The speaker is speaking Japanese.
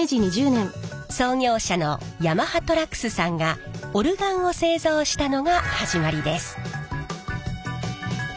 創業者の山葉寅楠さんがオルガンを製造したのが始まりです。